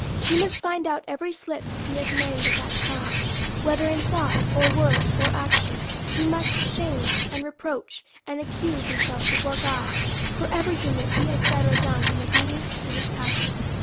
He must find out every slip that he has made of that kind, whether in thought, or word, or action ; he must shame, and reproach, and accuse himself before God, for every thing that he has said or done in obedience to his pas sion.